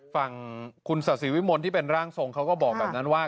ฝั่งคุณศาสิวิมลที่เป็นร่างทรงเขาก็บอกแบบนั้นว่า